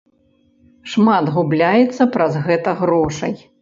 Шмат губляецца праз гэта грошай.